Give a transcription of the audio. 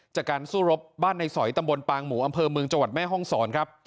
จากการสู้รบบ้านในสอยตำบลปางหมูอำเภอเมืองจังหวัดแม่ห้องศรครับ